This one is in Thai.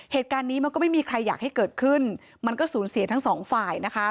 เหตุการณ์นี้มันก็ไม่มีใครอยากให้เกิดขึ้นมันก็สูญเสียทั้งสองฝ่ายนะคะ